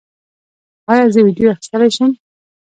ایا زه ویډیو اخیستلی شم؟